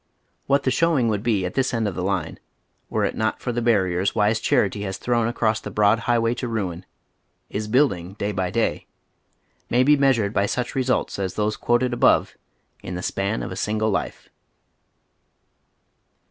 What the showing would be at this end of the line were it not for the barriers wise charity has thrown across the bn>ad highway to ruin— is building day by day — may be Beanired by such results as those quoted above in the span of ft single life.